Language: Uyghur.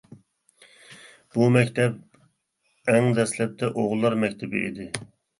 بۇ مەكتەپ ئەڭ دەسلەپتە ئوغۇللار مەكتىپى ئىدى.